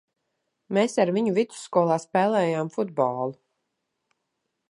Mēs ar viņu vidusskolā spēlējām futbolu.